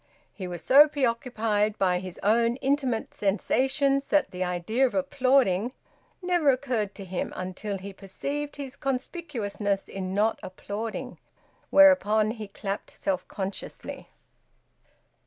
He was so preoccupied by his own intimate sensations that the idea of applauding never occurred to him, until he perceived his conspicuousness in not applauding, whereupon he clapped self consciously.